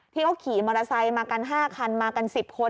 ที่เขาขี่มอเตอร์ไซค์มากัน๕คันมากัน๑๐คน